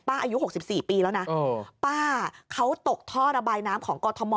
อายุ๖๔ปีแล้วนะป้าเขาตกท่อระบายน้ำของกรทม